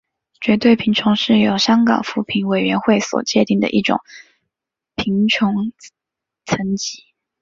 绝对贫穷是由香港扶贫委员会所界定的一种贫穷层级。